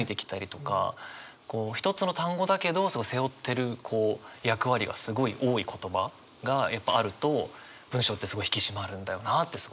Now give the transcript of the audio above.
一つの単語だけど背負ってる役割がすごい多い言葉があると文章ってすごい引き締まるんだよなってすごい思わされました。